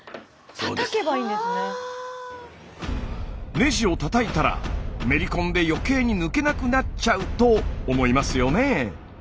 ネジをたたいたらめり込んで余計に抜けなくなっちゃうと思いますよね。